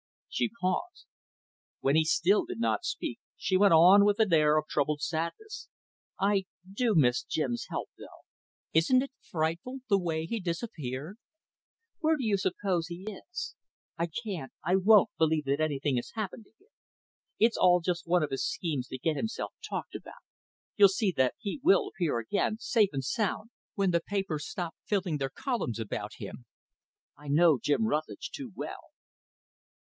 She paused. When he still did not speak, she went on, with an air of troubled sadness; "I do miss Jim's help though. Isn't it frightful the way he disappeared? Where do you suppose he is? I can't I won't believe that anything has happened to him. It's all just one of his schemes to get himself talked about. You'll see that he will appear again, safe and sound, when the papers stop filling their columns about him. I know Jim Rutlidge, too well."